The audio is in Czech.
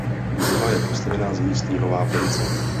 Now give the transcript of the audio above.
Budova je postavena z místního vápence.